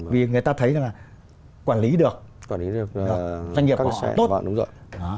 vì người ta thấy là quản lý được doanh nghiệp của họ tốt